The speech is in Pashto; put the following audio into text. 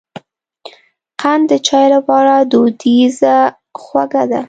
قند د چای لپاره دودیزه خوږه ده.